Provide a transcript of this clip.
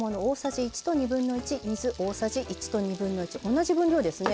同じ分量ですね。